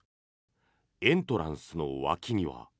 エントランスの脇には。